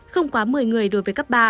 không quá một mươi người đối với cấp ba